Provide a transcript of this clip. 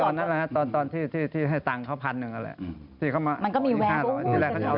นี่อันนี้คิดตั้งแต่เมื่อไหร่คะ